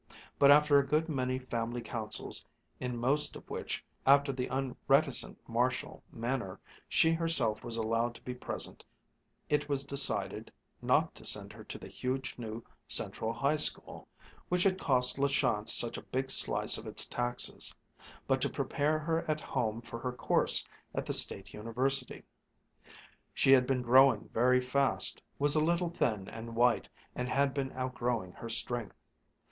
But after a good many family councils, in most of which, after the unreticent Marshall manner, she herself was allowed to be present, it was decided not to send her to the huge new Central High School, which had cost La Chance such a big slice of its taxes, but to prepare her at home for her course at the State University. She had been growing very fast, was a little thin and white, and had been outgrowing her strength.